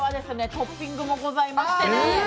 トッピングもございましてね